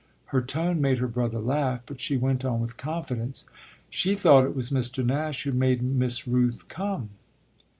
Her tone made her brother laugh, but she went on with confidence: "She thought it was Mr. Nash who made Miss Rooth come."